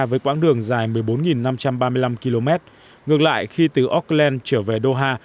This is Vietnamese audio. với quãng đường dài một mươi bốn năm trăm ba mươi năm km ngược lại khi từ auckland trở về doha